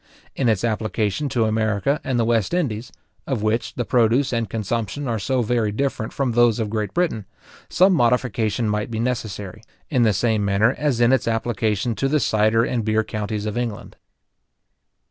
In its application to America and the West Indies, of which the produce and consumption are so very different from those of Great Britain, some modification might be necessary, in the same manner as in its application to the cyder and beer counties of England.